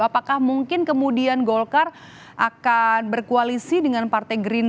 apakah mungkin kemudian golkar akan berkoalisi dengan partai gerindra